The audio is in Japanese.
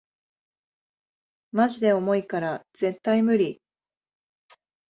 マジで重いから絶対ムリ